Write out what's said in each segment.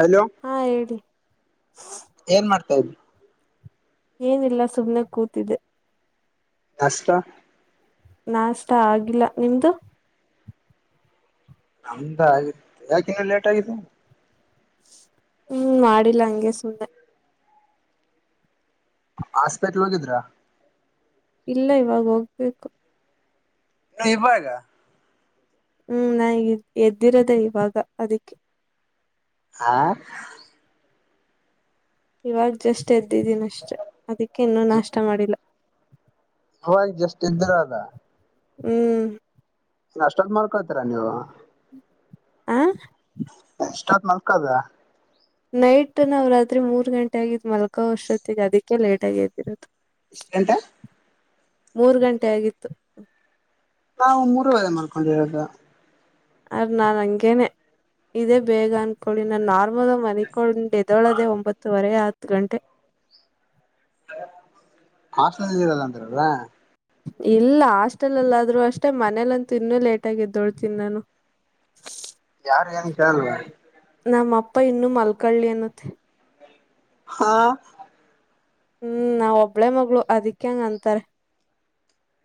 Hello ಹಾ ಹೇಳಿ. ಏನ್ಮಾಡ್ತಾ ಇದ್ದೆ. ಏನಿಲ್ಲ ಸುಮ್ನೆ ಕೂತಿದೆ. ನಾಷ್ಟ. ನಾಷ್ಟ ಆಗಿಲ್ಲ ನಿಮ್ದು. ನಮ್ದ ಆಗಿತ್ತು ಯಾಕಿನ್ನ ಲೇಟ್ ಆಗಿಲ್ವ. ಹ್ಮ್ ಮಾಡಿಲ್ಲ ಹಂಗೆ ಸುಮ್ಮನೆ. ಹಾಸ್ಪಿಟಲ್ ಹೋಗಿದ್ರಾ. ಇಲ್ಲ ಇವಾಗ ಹೋಗ್ಬೇಕು. ಇನ್ನ ಇವಾಗ. ಹ್ಮ್ ನಾನು ಎದ್ದಿರೋದೇ ಇವಾಗ ಅದಿಕ್ಕೆ. ಹಾ. ಇವಾಗ ಜಸ್ಟ್ ಎದ್ದಿದ್ದೀನ ಅಷ್ಟೆ ಅದಿಕ್ಕೆ ಇನ್ನೂ ನಾಷ್ಟ ಮಾಡಿಲ್ಲ. ಅವಾಗ ಜಸ್ಟ್ ಎದ್ದರಲ್ಲ. ಹ್ಮ್ ಅಷ್ಟೋತ್ತು ಮಲ್ಕೊತಿರ ನೀವು ಹಾ. ಅಷ್ಟೋತ್ತು [unintelligible] ನೈಟ್ ನಾವು ರಾತ್ರಿ ಮೂರ್ ಗಂಟೆ ಆಗಿದ್ ಮಲ್ಕೋ ಅಷ್ಟೊತ್ತಿಗೆ ಅದಕ್ಕೆ ಲೇಟ್ ಎದ್ದಿರೋದು. ಎಷ್ಟ್ ಲೇಟ್. ಮೂರ್ ಗಂಟೆ ಆಗಿತ್ತು. ನಾವು ಮೂರುವರೆ ಮಲ್ಕೋಡಿರೋದು. ನಾನ್ ಹಂಗೇನೆ ಇದೇ ಬೇಗ ಅಂತ. ಆಂಕೊಳ್ಳಿ ನಾನ್ ನಾರ್ಮಲ್ಹಾಗಿ ಮಲಗಿಕೊಂಡು ಎದೋಳದೆೇ ಒಂಬತ್ತುವರೆ ಹತ್ತು ಗಂಟೆ. ಹಾಸ್ಟೆಲ್ ಅಲ್ಲಿ ಇದೀನಿ ಅಂದ್ರಲ. ಇಲ್ಲ ಹಾಸ್ಟೆಲ್ಲ್ಲಾದ್ರು ಅಷ್ಟೇ ಮನೇಲಂತೂ ಇನ್ನುೂ ಲೇಟ್ಯಾಗಿ ಎದ್ದೇಳ್ತಿನಿ ನಾನು. [inaudible] ಯಾರು ಏನು [unintelligible] ನಮ್ಮ ಅಪ್ಪ ಇನ್ನುೂ ಮಲ್ಕಳ್ಳಿ ಅನ್ನುತೆ. ಹಾ ಹ್ಮ್ ನಾವ್ ಒಬ್ಬಳೆ ಮಗಳು ಅದಿಕ್ಕೆ ಹೆಂಗ ಅಂತಾರೆ.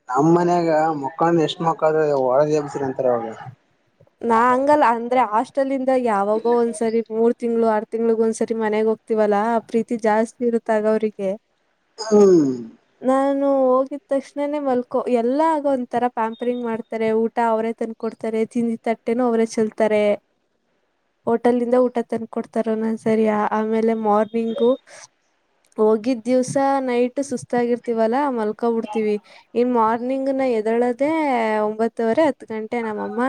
ನಮ್ಮ್ ಮನ್ಯಾಗ ಮಕ್ಕ ಎಷ್ಟು ಮಕ್ಕಳದು ಹೊಡೆದಿ ಎಬ್ಬಿಸಿ ಅಂತಾರೆ. ನಾ ಹಂಗಲ್ಲ ಅಂದ್ರೆ ಹಾಸ್ಟೆಲ್ಂದ ಯಾವಾಗೋ ಒಂದ್ಸರಿ ಮೂರ್ ತಿಂಗಳ ಆಡ್ತ. ತಿಂಗಳಿಗೆ ಒಂದ್ಸರಿ ಮನೆಗ್ ಹೋಗ್ತಿವಲ್ಲಾ ಆ ಪ್ರೀತಿ ಜಾಸ್ತಿ ಇರುತ್ತೆ ಅವಾಗ ಅವ್ರಿಗೆ. ಹ್ಮ್ ನಾನು ಹೋಗಿದ ತಕ್ಷಣನೇ ಮಲ್ಕೊ ಎಲ್ಲ ಆಗ ಒಂಥರಾ ಪ್ಯಾಂಪರಿಂಗ್ ಮಾಡ್ತಾರೆ ಊಟ ಅವರೇ ತನ್ಕ ಕೊಡ್ತಾರೆ ತಿಂದಿ ತಟ್ಟೆನ ಅವರೇ ಚೆಲ್ತಾರೆ. ಹೋಟೆಲಿಂದ ಊಟ ತಂದುಕೊಡ್ತಾರೆ ಒಂದ್ ಒಂದು ಸರಿ ಆಮೇಲೆ ಮಾರ್ನಿಂಗು ಹೋಗಿದ್ದ ದಿವಸ ನೈಟು ಸುಸ್ತಾಗಿರ್ತೀವಲ್ಲ ಮಲ್ಕೊಬಿಡ್ತೀವಿ. ಇನ್ ಮಾರ್ನಿಂಗ್ ನ ಎದಳದೆ ಒಂಬತ್ತವರೆ ಹತ್ ಗಂಟೆ ನಮ್ಮಮ್ಮ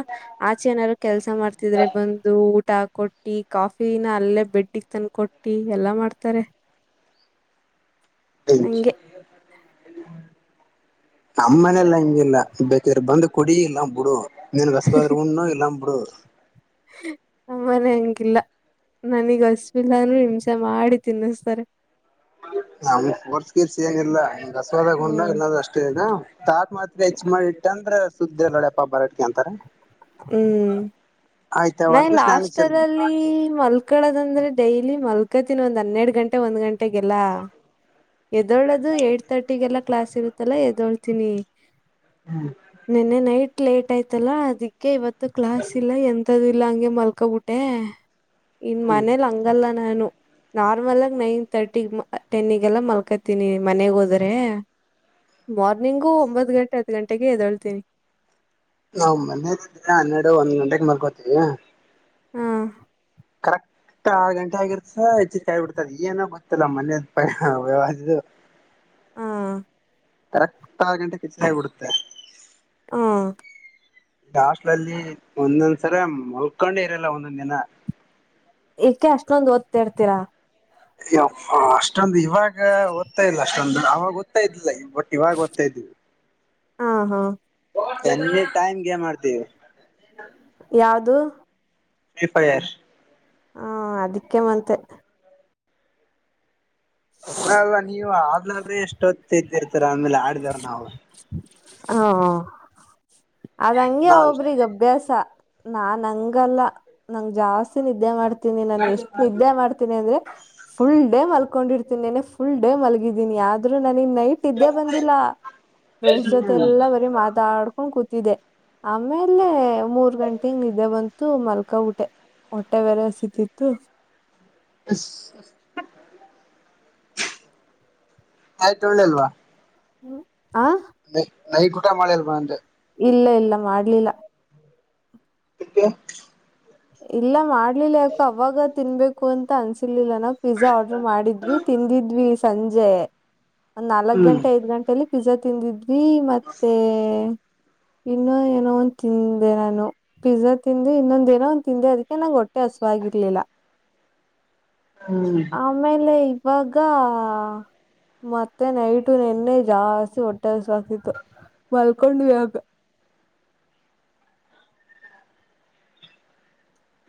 ಆಚೆ ಏನಾರು ಕೆಲಸ ಮಾಡ್ತಿದ್ರೆ ಬಂದು ಊಟ ಹಾಕೊಟ್ಟಿ ಕಾಫಿನ ಅಲ್ಲೇ ಬೆಡ್ಡಿಗೆ ತಂದಕೊಟ್ಟು ಟ್ಟೀ ಎಲ್ಲಾ ಮಾಡ್ತಾರೆ. [unintelligible] ಹಂಗೆ ನಮ್ಮ ಮನೆಲ್ಲಾ ಹಂಗಿಲ್ಲ ಬೇಕಿದ್ರ ಬಂದ ಕುಡಿ ಇಲ್ಲಾ ಬುಡು ನಿನಗ ಅಶುವು ಆದ್ರ ಉಣ್ಣು ಇಲ್ಲಾ ಬುಡು. ನಮ್ಮನೆ ಹಂಗಿಲ್ಲ ನನಗ್ ಹಸ್ವಿಲ್ಲ ಅನು ಹಿಂಸೆ ಮಾಡಿ ತಿನ್ನುಸ್ತಾರೆ. ನ ಫೋರ್ಸ್ ಗೀರ್ಸ್ ಏನಿಲ್ಲ ನಿನಗ ಹಾಸ್ವದಾಗ ಉಣ್ಣು ಹ್ಮ್ ಇಲ್ಲಾ ಅಷ್ಟೇನ. ತಾಟ್ ಮಾತ್ ಹೆಚ್ಚ ಮಾಡಿ ಇಟ್ಟ ಅಂದ್ರ ಸುದ್ದಿ ಇರ್ಲ್ನಡಪ್ಪ ಬರ್ತೀನಿ ಅಂತಾರ. ಹ್ಮ್ ಆಯ್ತವ ನಾನ್ ಅಂತೇಶ್ ನಾನು ಚೆಲ್ಬೇಕು ಹಾಸ್ಟೆಲಲ್ಲಿ ಮಲ್ ಮಳ್ಕಳೋದಂದ್ರೆ ಡೈಲಿ ಮಲ್ಕತ್ತಿನ ಒಂದ್ ಹನ್ನೆರಡ್ ಗಂಟೆ ಒಂದ್ ಗಂಟೆಗೆಲ್ಲ. ಎದೋಳದು ಏಟ್ ತರ್ಟಿಗೆಲ್ಲ ಕ್ಲಾಸ್ ಇರುತ್ತಲ್ಲ ಎದೋಳ್ತೀನಿ. ಹ್ಮ್ ನೆನ್ನೆ ನೈಟ್ ಲೇಟ್ ಆಯ್ತಲ್ಲಾ ಅದ್ ಕ್ಕೆ ಇವತ್ತು ಕ್ಲಾಸ್ ಇಲ್ಲ ಎಂತದ್ದು ಇಲ್ಲ ಹಂಗೆ ಮಲ್ಕೊಬಿಟ್ಟೆ. ಇನ್ ಹ್ಮ್ ಮನೇಲಿ ಹಂಗಲ್ಲ ನಾನು. ನಾರ್ಮಲ್ ಆಗಿ ನೈನ್ ತರ್ಟಿ ಟೆನಿಗೆಲ್ಲ ಮಲ್ಕತೀನಿ ಮನೆಗೋದ್ರೆ. ಮಾರ್ನಿಂಗು ಒಂಬತ್ತು ಗಂಟೆ ಹತ್ತು ಗಂಟೆಗೆದೊಳ್ತೀನಿ. ನಾವು ಮನೇ ಅಲ್ಲಿ ಇದ್ರೆ ಹನ್ನೆರಡು ಒಂದ್ ಗಂಟೆಗೆ ಮಲ್ಕೋತೀವಿ. ಹಾ. ಕರ್ ಕ್ಟಾಗಿ ಆರು ಗಂಟೆ ಆಗಿರ್ತಾ ಹೆಚ್ಚಿರ್ಕ್ಕೆ ಆಗಿಬಿಡ್ತಾ ಏನೋ ಗೊತ್ತಿಲ್ಲ ಮನ್ಯ. [unintelligible] ಹ ಕರೆಕ್ಟ್ ಆರು ಗಂಟೆಗೆ ಹೆಚ್ಚರಾಗಿಬಿಡುತ್ತಾ. ಹ್ಮ ಹಾಸ್ಟೆಲಲ್ಲಿ ಒಂದೊಂದ್ಸರ ಮಲ್ಕೊಂಡೆ ಇರಲ್ಲ ಒಂದೊಂದ್ ದಿನ. ಏಕೆ ಅಷ್ಟೊಂದ್ ಓದ್ತಾ ಇರ್ತೀರಾ. ಯಪ್ಪ ಅಷ್ಟೊಂದು ಇವಾಗ ಓದ್ತಾ ಇಲ್ಲ ಅಷ್ಟೊಂದ ಅವಾಗ ಓದತಾ ಇದ್ಲಿಲ್ಲ ಬಟ್ ಇವಾಗ ಓದ್ತಾಯಿದಿವಿ ಹ ಹಾ ಯನೀ ಟೈಮ್ ಗೇಮ್ ಆಡ್ತೀವಿ. ಯಾವದು? ಫ್ರೆಫೈರ್. ಹಾ ಅದಕ್ಕೆ ಮತ್ತೆ. [unintelligible] ಅಲ್ಲ ಅಲ್ಲ ನೀವ್ ಆಗ್ಲಾದ್ರೆ ಎಷ್ಟ ಹೊತ್ತ ಇದ್ದಿರ್ತರ ಆಮೇಲೆ ಆಡಿದಾರ ನಾವು. ಹೂ ಹ್ಮ್ ಅದ ಹಂಗೆ ನಾವ್ ಒಬ್ರಿಗ್ ಅಭ್ಯಾಸ ನಾನ್ ಹಂಗಲ್ಲ ನಂಗ್ ಜಾಸ್ತಿ ನಿದ್ದೆ ಮಾಡ್ತ್ ತೀನಿ ನಾನ್ ಎಷ್ಟು ನಿದ್ದೆ ಮಾಡ್ತೀನಿ ಅಂದ್ರೆ ಫುಲ್ ಡೇ ಮಲ್ಕೊಂಡಿರ್ತೀನಿ ನೆನ್ನೆ ಫುಲ್ ಡೇ ಮಲಗಿದ್ದೀನಿ ಆದರೂ ನನಗೂ ನೈಟ್ ನಿದ್ದೆ ಬಂದಿಲ್ಲ ಫ್ರೆಂಡ್ಸ್ ಜೊತೆ ಎಲ್ಲಾ ಬರೀ ಮಾತಾಡ್ಕೊಂಡು ಕುಂ ತಿದ್ದೆ ಆಮೇಲೆ ಮೂರ್ ಗಂಟೆಗ್ ನಿದ್ದೆ ಬಂತು ಮಲ್ಕಾ ಬಿಟ್ಟೆ. ಹೊಟ್ಟೆ ಬೇರೆ ಹಸಿತಿತ್ತು. ಕಾಯಿ ತೋಳಿಲ್ವ. ಹ್ಮ್ ಆ ನ ನೈ ಕುಟ ಮಾಡಿಲ್ಲ ಬಂದ ಇಲ್ಲ ಇಲ್ಲಾ ಹಾಡ್ಲಿಲ್ಲ [unintelligible] ಇಲ್ಲಾ ಮಾಡ್ಲಿಲ್ಲಾ ಯಾಕ ಅವಾಗ ತಿನ್ಬೇಕು ಕು ಅಂತ ಅನ್ಸರಲಿಲ್ಲ ನಾ ಪಿಜ್ಜಾ ಆರ್ಡ್ರರ್ ಮಾಡಿದ್ವಿ ತಿಂದಿದ್ವಿ ಸಂಜೆ ಒಂದ್ ನಾಲಕ್ಕ್ ಹ್ಮ್ ಗಂಟೆ ಐದ್ ಗಂಟೆಲಿ ಪಿಜ್ಜಾ ತಿಂದಿದ್ವಿ ಮತ್ತೆ ಇನ್ನು ಏನೋ ಒಂದ ತಿಂದೆ ನಾನು ಪಿಜಾ ತಿಂದೆ ಇನ್ನೊಂದ ಏನೋ ತಿಂದೆ ಅದಕ್ಕೆ ನಂಗೆ ಹೊಟ್ಟೆ ಹಸುವಾಗಿರ್ಲಿಲ್ಲ. ಹ್ಮ್. ಆಮೇಲೆ ಇವಾಗ ಮತ್ತೆ ನೈಟು ನೆನ್ನೆ ಜಾಸ್ತಿ ಹೊಟ್ಟೆ ಹಸುವಾಕ್ತಿತ್ತು ಮಲ್ಕೊಂಡ್ವಿ ಆಮೆ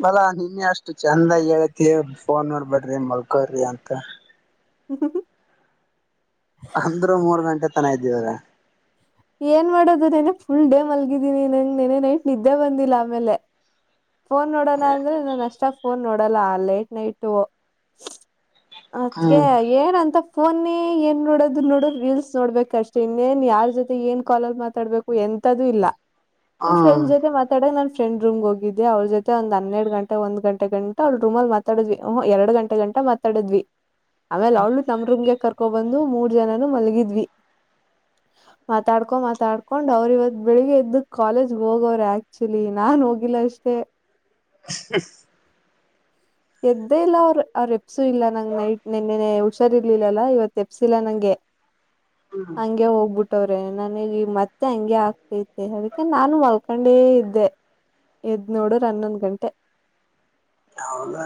ಅಲಾ ನಿನ್ನೆ ಅಷ್ಟ ಚಂದಾಗಿ ಹೇಳೇತಿ ಫೋನ್ ನೋಡ್ಬ್ಯಾಡ್ರಿ ಮಲ್ಕೋರ್ರಿ ಅಂತ ಹ ಹ ಹ ಅಂದ್ರು ಮೂರ್ ಗಂಟೆ ತನ ಇದ್ದೀವಲ. ಏನ್ ಮಾಡೋದು ನೆನ್ನೆ ಫುಲ್ ಡೇ ಮಲ್ಗಿದ್ದೀನಿ ನಂಗೆ ನೆನ್ನೆ ನೈಟ್ ನಿದ್ದೆ ಬಂದಿಲ್ಲ ಆಮೇಲೆ. ಫೋನ್ ನೋಡೋಣ ಅಂದ್ರು ನಾನ್ ಅಷ್ಟಾಗ್ ಫೋನ್ ನೋಡಲ್ಲ ಆ ಲೇಟ್ ನೈಟ್. ಅತ್ತಗೆ ಹ್ಮ್ ಏನಂತ ಫೋನಿ ಏನ್ ನೋಡೋದ ನೋಡು ರೀಲ್ಸ್ ನೋಡ್ಬೇಕ ಅಷ್ಟೇ ಇನ್ನೇನ್ ಯಾರ್ ಜೊತೆ ಏನ್ ಕಾಲಲ್ಲ ಮಾತಾಡ್ಬೇಕು ಎಂತದ್ದು ಇಲ್ಲಾ ಹ್ಮ್ ಫ್ರೆಂಡ್ಸ್ ಜೊತೆ ಮಾತ ಆ ಕಡೆ ನನ್ನ ಫ್ರೆಂಡ್ ರೂಮ್ಗೊಗಿದ್ದೆ ಅವಳ ಜೊತೆ ಒಂದ ಹನ್ನೆರಡ ಗಂಟೆ ಒಂದ ಗಂಟೆ ಗಂಟ ಅವಳ ರೂಮಲ್ಲಿ ಮಾತ್ ಮಾತಾಡದ್ವಿ ಹಹ ಎರಡ ಗಂಟೆ ಗಂಟ ಮಾತಾಡದ್ವಿ. ಆಮೇಲ ಅವಳ್ನು ನಮ್ಮ್ ರೂಮ್ಗೆ ಕರ್ಕೋ ಬಂದು ಮೂರ್ ಜನನು ಮಲಗಿದ್ವಿ. ಮಾತಾಡ್ಕೊ ಮಾತಾಡ್ಕೊಂಡ್ ಅವ್ರ ಇವತ್ ಬೆಳಿಗ್ಗೆ ಎದ್ದ ಕಾಲೇಜ್ಗೆ ಹೋಗವ್ರ ಆಕ್ಚುಲಿ ನಾನ್ ಹೋಗಿಲ್ಲ ಅಷ್ಟೇ. [inaudible] [unintelligible] ಎದ್ದೇ ಇಲ್ಲ ಅವ್ರು ಅವರೆಬಸು ಇಲ್ಲ ನಂಗ್ ನೈಟ್ ನೆನ್ನೆನೇ ಹುಷಾರ್ ಇರ್ಲಿಲ್ಲಲ್ಲಾ ಇವತ್ತ ಎಬ್ಸಿಲ್ಲ ನಂಗೆ ಹಗೆ ಹೋಗ್ಬಿಟ್ಟ ಟ್ಟವ್ರೆ ನನಗ ಈಗ ಮತ್ತೆ ಹಂಗೆ ಆಗ್ತೈತೆ ಅದಕ್ಕೆ ನಾನು ಮಲ್ಕೊಂಡೇ ಇದ್ದೆ. ಎದ್ ನೋಡದ್ರ ಹನ್ನೊಂದ್ ಗಂಟ. ಹೌದಾ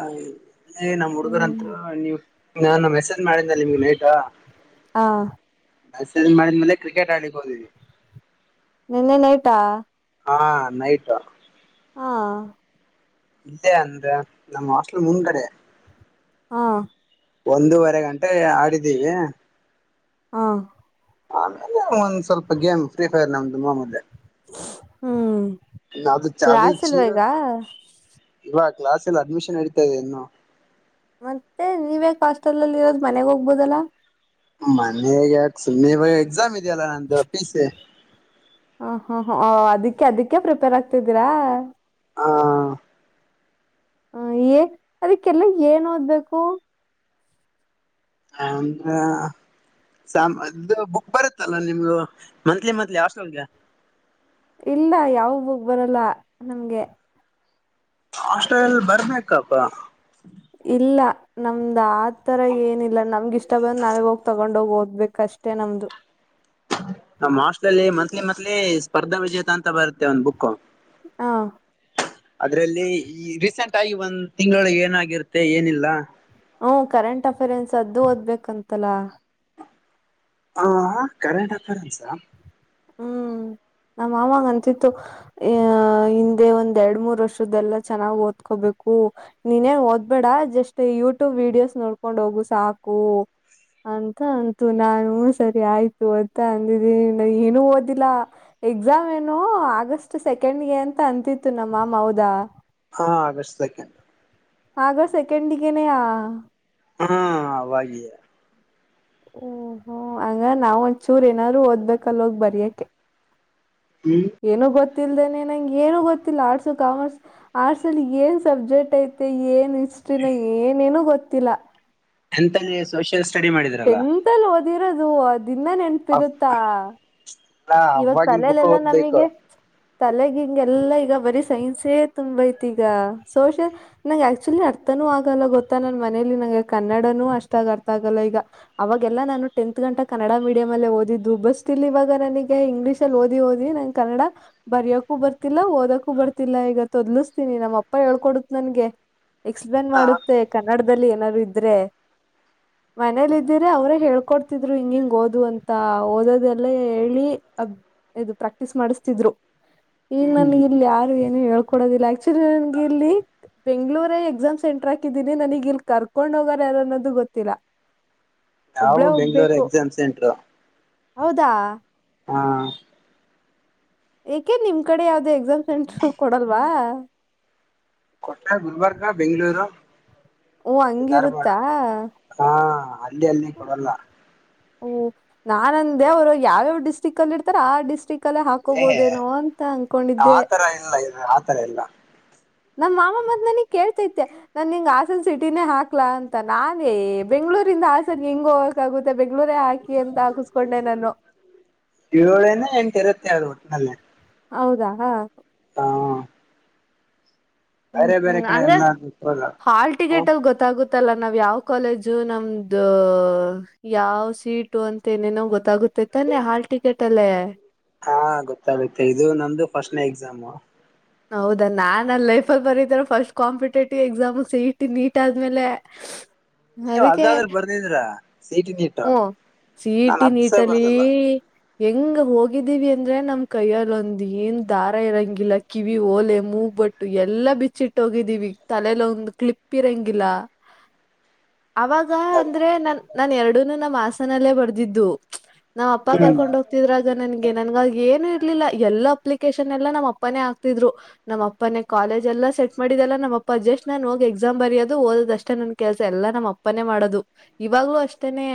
ಎ ನಮ್ಮ್ ಹುಡ್ಗರಂತವ ನೀವು ನಾನ ಮೆಸೇಜ್ ಮಾಡಿದ್ನಲ್ಲ ನಿಮ್ಗ ನೈಟು ಹಾ ಮೆಸೇಜ ಮಾಡಿದ್ಮೇಲೆ ಕ್ರಿಕೆಟ್ ಆಡ್ಲಿಕ್ಕ್ ಹೋದ್ವಿ. ನಿನ್ನೆ ನೈಟಾ ಹಾ ನೈಟ್. ಹಾ. ಇಲ್ಲೇ ಅಂದ್ರ ನಮ್ಮ್ ಹಾಸ್ಟೆಲ್ಮುಂದಗಡೆ. ಹಾ. ಒಂದೂವರೆ ಗಂಟೆ ಆಡಿದ್ದೀವಿ. ಹಾ. ಆಮೇಲೆ ಒಂದ್ ಸ್ವಲ್ಪ ಗೇಮ್ ಫ್ರೀ ಫೈರ್ ನಮ್ದು ಮಾಮೂಲಿ. ಹ್ಮ್ ಅದು ಕ್ಲಾಸ್ ಇಲ್ವಾ ಈಗ ಇವಾಗ್ ಕ್ಲಾಸಿಲ್ಲ ಅಡ್ಮಿಷನ್ ನಡಿತಾ ಇದೆ ಇನ್ನು. ಮತ್ತೆ ನೀವ ಯಾಕ ಹಾಸ್ಟೆಲ್ ಅಲ್ಲಿ ಇರೋದು ಮನೆಗ್ ಹೋಗ್ಬೋದಲ್ಲಾ. ಮನೆ ಗೆ ಯಾಕ ಸುಮ್ಮನೆ ಬ ಎಕ್ಸಾಮ್ ಇದೆಯಲ್ಲಾ ನಂದು ಪೀಸೆ. ಹಾ ಹಾ ಹಾ ಅದಿಕ್ಕೆ ಅದಕ್ಕೆ ಪ್ರಿಪೇರ್ ಆಗ್ತಿದ್ದೀರಾ. ಹಾ ಹ ಏ ಅದಕ್ಕೆಲ್ಲ ಏನ್ ಓದ್ಬೇಕು. ಅಂದ್ರೆ ಸಾಮ ಇದು ಬುಕ್ ಬರುತ್ತಲ್ಲಾ ನಿಮ್ಗು ಮಂತ್ಲಿ ಮಂತ್ಲಿ ಹಾಸ್ಟೆಲ್ ಗೆ. ಇಲ್ಲಾ ಯಾವ ಬುಕ್ ಬರಲ್ಲ ನಮ್ಗೆ. ಹಾಸ್ಟೆಲ್ ನಲ್ಲಿ ಬರ್ಬೇಕ ಪ್ಪಾ ಇಲ್ಲ ನಮ್ದ್ ಆತರ ಏನಿಲ್ಲಾ ನಮ್ಗ ಇಷ್ಟ ಬಂದ ನಾವೇ ಹೋಗ್ ತಗೊಂಡೋಗಿ ಓದ್ಬೇಕ ಅಷ್ಟೆ. ಅಷ್ಟೇ ನಮ್ದು. ನಮ್ಮ ಹಾಸ್ಟೆಲ್ ಅಲ್ಲಿ ಮಂತ್ಲಿ ಮಂತ್ಲಿ ಸ್ಪರ್ಧಾ ವಿಜೇತ ಅಂತ ಬರುತ್ತೆ ಒಂದ್ ಬುಕು ಹಾ ಅದ್ರಲ್ಲಿ ಈ ರೀಸೆಂಟ್ ಆಗಿ ಒಂದ ತಿಂಗಳೊಳಗೆ ಏನಾಗಿರುತ್ತೆ ಏನಿಲ್ಲಾ. ಹುಂ ಕರೆಂಟ್ ಅಫೇರ್ನ್ಸ್ ಅದ್ದೂ ಓದ್ಬೇಕಂತಲ್ಲಾ. ಹಾ ಕರೆಂಟ್ ಆಫರ್ಸ್ ಹುಂ ನಮ್ಮ ಮಾಮಂಗ ಅಂತಿತ್ತು. ಆಹ ಹಿಂದೆ ಒಂದ ಎರಡ ಮೂರ ವರ್ಷದ್ದಲ್ಲ ಚೆನ್ನಾಗಿ ಓದ್ಕೋಬೇಕು. ನೀನೇನ ಓದ್ಬೇಡಾ ಜಸ್ಟ್ ಯೂಟ್ಯೂಬ್ ವಿಡಿಯೋಸ ನೋಡ್ಕೊಂಡ ಹೋಗು ಸಾಕು ಅಂತ ಅಂತು ನಾನು ಸರಿ ಆಯ್ತು ಅಂತಾ ಅಂದಿದ್ದೀನ ಏನು ಓದಿಲ್ಲಾ. ಎಕ್ಸಾಮ್ ಏನೊ ಆಗಸ್ಟ್ ಸೆಕೆಂಡ್ ಗೆ ಅಂತ ಅಂತಿತ್ತು ನಮ್ಮ ಮಾಮ ಹೌದಾ. ಹಾ ಆಗಸ್ಟ್ ಸೆಕೆಂಡ್ ಆಗಸ್ಟ್ ಸೆಕೆಂಡ್ ಗೆನೆಯಾ ಹಾ ಅವಾಗೀಯಾ ಓ ಹೋ ಹಂಗ ನಾವ್ ಒಂದಚೂರ್ ಏನಾದ್ರು ಓದ್ಬೇಕ ಬರೆಯೋಕ್ಕೆ ಹುಂ ಏನೂ ಗೊತ್ತಿಲ್ಲದನೆ ನಂಗೆ ಏನೂ ಗೊತ್ತಿಲ್ಲಾ ಆರ್ಟ್ಸ್, ಕಾಮರ್ಸ್, ಆರ್ಟ್ಸ್ ಅಲ್ಲಿ ಏನ್ ಸಬ್ಜೆಕ್ಟ್ ಐತೆ ಏನ ಹಿಷ್ಟ್ರಿನ ಏನೇನು ಗೊತ್ತಿಲ್ಲಾ ಎಂತಲ್ಲಿ ಸೋಷಿಯಲ್ ಸ್ಟಡಿ ಮಾಡಿದ್ರಲ್ಲಾ ಟೆನತ್ತಲ್ಲಿ ಓದಿರೋದು ಇನ್ನಾ ನೆನಪ ಅಲ್ಲ ಇರುತ್ತಾ. ಇವಾಗ ಅವವಾಗಿನ್ ಬುಕ್ ತಲೆಲೆಲ್ಲಾ ಓದ್ಬೇಕು ನಮಗೆ ತಲೆಗ ಹಿಂಗ ಎಲ್ಲಾ ಈಗ ಬರೀ ಸೈನ್ಸೇ ತುಂಬೆ ಐತಿ ಈಗ ಸೋಶಿಯಲ್. ನನ್ನಗ ಆಕ್ಚುಲಿ ಅರ್ಥನೂ ಆಗಲ್ಲಾ ಗೊತ್ತಾ ನನ್ ಮನೇಲಿ ನೂ ಕನ್ನಡನು ಅಷ್ಟಾಗಿ ಅರ್ಥ ಆಗಲ್ಲಾ ಈಗ. ಅವಾಗೆಲ್ಲಾ ನಾನು ಟೆಂತ ಗಂಟಾ ಕನ್ನಡ ಮೀಡಿಯಂ ಅಲ್ಲಲ್ಲಿ ಓದಿದ್ದು ಬಸ್ತಿಲಾ ಇವಾಗ ನನಗ್ ಇಂಗ್ಲೀಷ ಅಲ್ಲಿ ಓದಿ ಓದಿ ನಂಗ ಕನ್ನಡಾ ಬರೆಯಕೂ ಬರ್ತಿಲ್ಲಾ ಓದಕೂ ಬರ್ತಿಲ್ಲಾ ಈಗ ತೊದ್ಲಸ್ತೀನಿ ನಮ್ಮಪ್ಪ ಹೇಳ್ಕೊಡತ ನನಗೆ ಎಕ್ಸ್ ಪ್ಲೇನ್ ಮಾಡುತ್ತೆ ಕನ್ನಡದಲ್ಲಿ ಏನಾದರು ಇದ್ರೆ. ಮನೇಲ್ಲಿ ಇದಿದ್ದೀರ ಅವ್ರೇ ಹೇಳ್ಕೊಡ್ತಿದ್ರು ಹಿಂಗ ಹಿಂಗ್ ಓದು ಅಂತ ಓದೊದೆಲ್ಲಾ ಹೇಳಿ ಅಬ್ ಇದು ಪ್ರಾಕ್ಟೀಸ್ ಮಾಡಿಸ್ತಿದ್ರು ಈಗ ಹ್ಮ್ ನನಗ ಇಲ್ಲಿ ಯಾರು ಏನು ಹೇಳಿ ಕೊಡೋದಿಲ್ಲ ಆಕ್ಚುರಿ ನನ್ಗೆ ಇಲ್ಲಿ ಬೆಂಗಳೂರ ಎಕ್ಸಾಮ್ ಸೆಂಟರ್ ಹಾಕಿದೀನಿ ನನಗ ಇಲಿ ಕರ್ಕೊಂಡ ಹೋಗಾರ ಯಾರು ಅನ್ನೋದು ಗೊತ್ತಿಲ್ಲ. [inaudible] ನಾವು ಬೆಂಗಳೂರು ಹೋಗ್ಬೇಕು ಎಕ್ಸಾಮ ಸೆಂಟರು. ಹೌದಾ ಹಾ ಏಕೆ ನಿಮ್ಮ ಕಡೆ ಯಾವ್ದೋ ಎಕ್ಸಾಮ ಸೆಂಟರ್ ಕೊಡಲ್ವಾ. ಕೋಟ್ಟಾರ ಗುಲ್ಬರ್ಗ, ಬೆಂಗಳೂರು. ಓ ಹಂಗಿರುತ್ತಾ. ಹಾ ಅಲ್ಲಿ ಅಲ್ಲಿ ಕೊಡಲ್ಲಾ. ಓ ನಾನ ಅಂದೇ ಅವರು ಯಾವ್ಯಾವ್ ಡಿಸ್ಟ್ರಿಕ ಅಲ್ಲಿ ಇರ್ತಾರ ಆ ಡಿಸ್ಟ್ರಿಕ್. ಕಲ್ಲೆ ಏ ಹಾಕೋಬೋದೇನೋ ಅಂತ ಅನ್ಕೊಂಡಿದ್ದೆ. ಆತರ ಇಲ್ಲ ಇ ಆತರ ಇಲ್ಲ ನಮ್ಮ ಮಾವ ಮತ್ತ ನನಿಗ್ ಕೇಳ್ತೈತೆ. ನಾನ ನಿಂಗ ಹಾಸನ ಸಿಟಿನೇ ಹಾಕ್ಲಾ ಅಂತ ನಾನೇ ಬೆಂಗಳೂರಿಂದ ಹಾಸನ ಹೆಂಗ ಹೋಗಕ ಆಗುತ್ತೆ. ಬೇಕ್ ಇವರೇ ಹಾಕಿ ಅಂತ ಹಾಕಿಸಸ್ಕೊಂಡೆ ನಾನು. ಏಳೇನೇ ಎಂಟು ಇರುತ್ತೆ ಅಲ್ವಾ ಅಲ್ಲಿ. ಹೌದಾ ಹಾ ಹಾ ಹು ಹು ಬೇರೆ ಕಡೆ ಹಂಗ ಎಲ್ಲ ಗೊತ್ತಲ್ಲ ಹಾಲ್ ಹ ಟಿಕೆಟ ಗೊತ್ತ. ಗೊತ್ತಾಗುತ್ತಲ್ಲ ನಾವ ಯಾವ ಕಾಲೇಜು ನಮ್ದು. ಯಾವ ಸೀಟು ಅಂತ ಏನೇನೋ ಗೊತ್ತಾಗುತ್ತೆ ತಾನೆ ಹಾಲ್ ಟಿಕೆಟ್ ಅಲ್ಲಿ. ಹಾ ಗೊತ್ತಾಗುತ್ತೆ ಇದು ನಂದು ಫಸ್ಟ್ನೇ ಎಕ್ಸಾಮು. ಹೌದಾ ನಾನ ಅಲ್ಲಿ ಲೈಫಲ್ ಬರೀತೀರ first competitive exam C E T NEET ಆದ್ಮೇಲೆ. ಹಿಸ್ ನೀವು ಅದಾದ್ರು ಬರ್ದಿದಿರಾ ಸೀಟಿ ನೀಟ್ಟು. ಸೀಇಟಿ ನೀಟಲ್ಲಿ. ಹೆಂಗ ಹೋಗಿದ್ದೀವಿ ಅಂದ್ರೆ ನಮ್ಮ ಕೈಯಲ್ಲಿ ಒಂದ ಏನ್ ದಾರ ಇರಂಗಿಲ್ಲ. ಕಿವಿ ಓಲೆ ಮೂಗ್ ಬಟ್ಟು ಎಲ್ಲಾ ಬಿಚ್ಚಿಟ್ಟೋಗಿದ್ದೀವಿ ತಲೆಲಿ ಒಂದು ಕ್ಲಿಪ್ ಇರಂಗಿಲ್ಲಾ. ಅವಾಗ. ಗ ಅಂದ್ರೆ ನನ್ ನಾನ ಎರಡುನು ನಮ್ಮ್ ಹಾಸನಲ್ಲೇ ಬರ್ದಿದ್ದು ನಮ್ಮ ಅಪ್ಪಾ ಹ್ಮ್ ಕರ್ಕೊಂಡ್ ಹೋಗ. ತಿದ್ರಾಗ ನನ್ಗೆ ನನ್ಗ ಏನು ಇರ್ಲಿಲ್ಲ ಎಲ್ಲಾ ಅಪ್ಲಿಕೇಶನ್ ಎಲ್ಲಾ ನಮ್ಮ ಅಪ್ಪನೇ ಹಾಗ್ತಿದ್ರು. ನಮ್ಮ ಅಪ್ಪನೇ ಕಾಲೇಜ್ ಎಲ್ಲಾ ಸೆಟ್ ಮಾಡಿದೆಲ್ಲಾ ನಮ್ಮ ಪ್ಪಾ ಜಸ್ಟ್ ನಾನ್ ಹೋಗಿ ಎಕ್ಸಾಮ್ ಬರಯೋದು ಓದಷ್ಟೇ ನನ್ ಕೆಲ್ಸ ಎಲ್ಲಾ ನಮ್ಮ ಅಪ್ಪನೇ ಮಾಡೋದು. ಇವಾಗ್ಲೂ ಅಷ್ಟೇನೆ.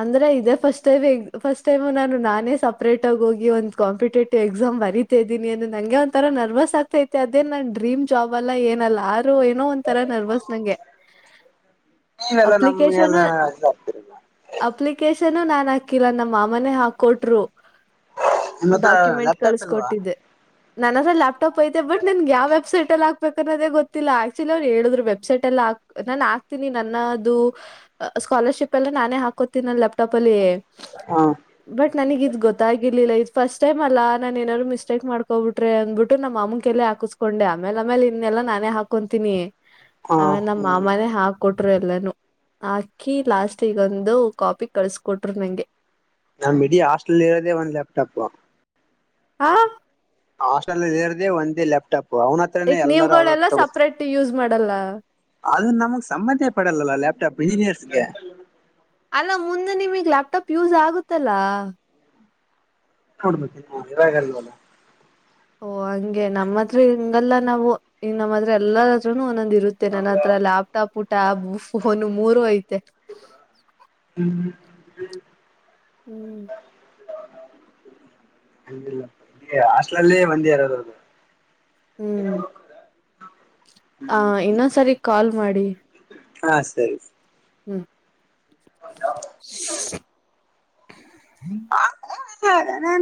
ಅಂದ್ರೆ ಇದೇ ಫಸ್ಟ್ ಟೈಮ್ ಫಸ್ಟ್ ಟೈಮ್ ನಾನು ನಾನೇ ಸಪ್ರೇಟ್ ಆಗಿ ಹೋಗಿ ಒಂದು. ಕಂಪಿಟೇಟಿವ್ ಎಕ್ಸಾಮ್ ಬರಿತಾ ಇದೀನಿ ಅನ್ನದ. ನಂಗೆ ಒಂಥರಾ ನರ್ವಸ್ ಆಗ್ತೈತೆ ಅದೇ ನನ್ ಡ್ರೀಮ್ ಜಾಬ್ ಅಲ್ಲಾ ಏನಲ್ಲಾ ಆರು ಏನೋ ಒಂತರಾ ನರ್ವಸ್ ನಂಗೆ. ಹು ನೀವೆಲ್ಲಾ ನಮ್ಗೆ ಎಲ್ಲಾ ಇದು ಆಕ್ತಿರಿ. ಅಪ್ಲಿಕೇಶನು ನಾನ್ ಹಾಕಿಲ್ಲಾ ನಮ್ಮ ಮಾಮನೆ ಹಾಕೊಟ್ರು. ನಿಮ್ಮ ಹತ್ರ ಡಾಕ್ಯುಮೆಂಟ್ ಲ್ಯಾಪ್ಟಾಪ್ ಇಲ್ವಾ ಕಳ್ಸಕೊಟ್ಟಿದ್ದೆ ನನ್ನತ್ರ ಲ್ಯಾಪ್ಟಾಪ್ ಐತೆ ಬಟ್ ನನ್ಗೆ ಯಾವ ವೆಬ್ಸೈಟ್ ಅಲ್ಲಿ ಹಾಕ್ಬೇಕ. ಕಿರದೆ ಗೊತ್ತಿಲ್ಲಾ ಆಕ್ಚುಲಿ ಅವರ ಹೇಳಿದ್ರು ವೆಬ್ಸೈಟ್ ಎಲ್ಲಾಕ್ ನಾನ ಹಕ್ತೀನಿ ನನ್ನದು. ಸ್ಕಾಲರ್ಶಿಪ್ ಎಲ್ಲಾ ನಾನೇ ಹಾಕೋತೀನ ನನ್ ಲ್ಯಾಪ್ಟಟಾಪ್ ಅಲ್ಲಿ. ಹಾ ಬಟ್ ನನಗಿದ್ ಗೊತ್ತಾಗಿರ್ಲಿಲ್ಲ ಇದ ಫಸ್ಟ್ ಟೈಮ್ ಅಲ್ಲಾ ನಾನ್ ಏನಾದರು ಮಿಸ್ಟೇಕ್ ಮಾಡ್ ಹೊಗಬಿಟ್ರೆ ಅಂದಬಿಟ್ಟು ನಮ್ಮ ಮಾಮನಕೈಲೇ ಹಾಕಿಸಸ್ಕೊಂಡೆ ಆಮೇಲೆಮೇಲೆ ಇನ್ನಲ್ಲಾ ನಾನೇ ಹಾಕೊಂತೀನಿ. ಹ ಅವೇ ನಮ್ಮ ಹ್ಮ್ ಮಾಮನೇ ಹಾಕ್ ಕೊಟ್ರು ಎಲ್ಲಾನೂ ಹಾಕಿ ಲಾಸ್ಟಿಗೊಂದು ಕಾಪಿ ಕಳ್ಸಕೊಟ್ರು ನಂಗೆ. ನಮ್ಮ ಇಡೀ ಹಾಸ್ಟೆಲ್ ಇರದೇ ಒಂದ ಲ್ಯಾಪ್ಟಟಾಪ್. ಆ ಹಾಸ್ಟೆಲ್ಲ ಇರದೆ ಒಂದೇ ಲ್ಯಾಪ್ಟಾಪ್ ಅವ್ನ. ಹತ್ರನೇ ಎಕ್ ಎಲ್ಲರೂ ನೀವುಗಳೆಲ್ಲಾ ಸಪ್ರೇಟ್ ಯೂಸ್ ಮಾಡಲ್ಲ ಅದ್ ನಮಗ್ ಸಂಬಂಧೆ ಪಡಲ್ಲ ಲ್ಯಾಪ್ಟಾಪ್ ಇಂಜಿನಿಯರ್ಸ್ಗೆ ಅಲ್ಲ ಮುಂದೆ ನಿಮಗ್ ಲ್ಯಾಪ್ಟಾಪ್ ಯೂಸ್ ಆಗುತ್ತಲ್ಲಾ ಕೊಡ್ಬೇಕ ಹೀ ರಾಯಗರ ವ [inaudible] ಓ ಹಂಗೆ ನಮ್ಮತ್ರ ಹಿಂಗಲ್ಲಾ ನಾವು ನಮ್ಮ ಹತ್ರ ಎಲ್ಲತ್ರನು ಒಂದೊಂದ್ ಇರುತ್ತ ನನ್ನ ಅತ್ರ ಲ್ಯಾಪ್ಟಾಪ್ ಟ್ಯಾಬ್ ಫೋನು ಮೂರು ಐತೆ ಹ್ಮ್ ಹ್ಮ್ ಅಲ್ಲಿಲ್ಲ ಅಸ್ಲಲ್ಲೇ ಒಂದೇ ಇರೋದು ಅದು ಹ್ಮ್ ಆ ಇನ್ನೊಂದ್ಸರಿ ಕಾಲ್ ಮಾಡಿ ಹಾ ಸರಿ ಹ್ಮ್ ಇಲ್ಲೇ [inaudible]